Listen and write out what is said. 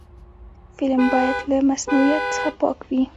فلم باید له مصنوعیت څخه پاک وي